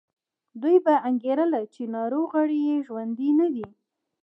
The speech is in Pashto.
دوی به انګېرله چې ناروغ غړي یې ژوندي نه دي.